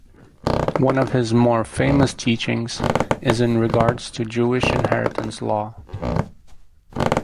One of his more famous teachings is in regards to Jewish Inheritance law.